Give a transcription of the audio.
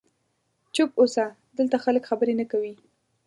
چوپ اوسه، دلته خلک خبرې نه کوي.